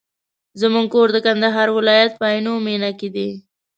زموږ کور د کندهار ولایت په عينو مېنه کي دی.